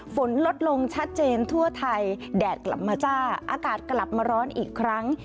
ฝนลดลงชัดเจนทั่วไทยแดดกลับมาจ้าอากาศกลับมาร้อนอีกครั้ง